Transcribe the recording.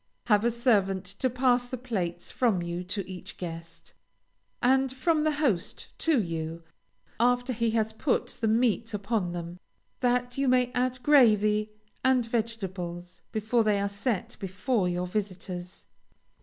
Have a servant to pass the plates from you to each guest, and from the host to you, after he has put the meat upon them, that you may add gravy and vegetables before they are set before your visitors.